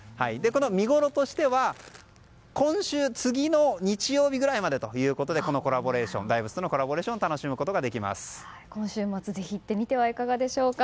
見ごろとしては今週、次の日曜日ぐらいまでということで大仏とのコラボレーションを今週末、ぜひ行ってみてはいかがでしょうか。